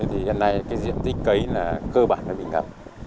hiện nay diện tích cấy là cơ bản bị ngập